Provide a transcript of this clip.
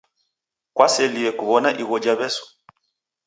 Kwaselie kuw'ona igho ja W'esu?